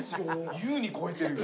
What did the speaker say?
優に超えてるよ。